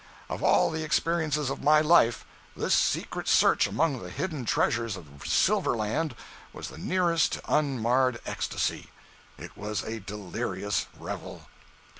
Of all the experiences of my life, this secret search among the hidden treasures of silver land was the nearest to unmarred ecstasy. It was a delirious revel.